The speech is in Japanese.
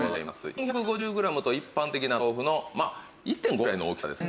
４５０グラムと一般的な豆腐の１．５倍ぐらいの大きさですかね。